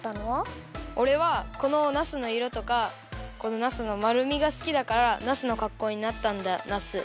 おれはこのナスのいろとかこのナスのまるみがすきだからナスのかっこうになったんだナス。